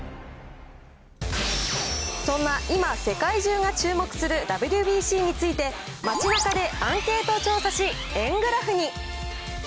そんな今、世界中が注目するＷＢＣについて、街なかでアンケート調査し、円グラフに。